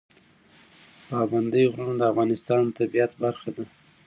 پابندی غرونه د افغانستان د طبیعت برخه ده.